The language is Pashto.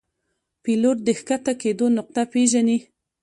پیلوټ د ښکته کېدو نقطه پیژني.